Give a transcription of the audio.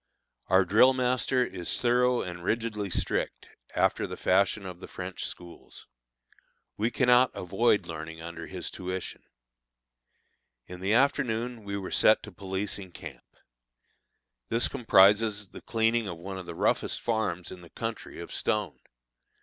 Our drill master is thorough and rigidly strict, after the fashion of the French schools. We cannot avoid learning under his tuition. In the afternoon we were set to policing camp. This comprises the cleaning of one of the roughest farms in the country of stone.